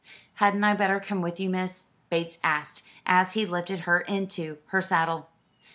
"Hadn't I better come with you, miss?" Bates asked, as he lifted her into her saddle.